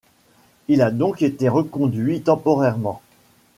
Il a donc été reconduit temporairement.